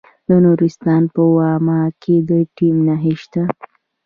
د نورستان په واما کې د لیتیم نښې شته.